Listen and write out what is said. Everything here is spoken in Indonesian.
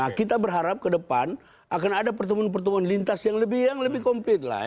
nah kita berharap ke depan akan ada pertemuan pertemuan lintas yang lebih komplit lah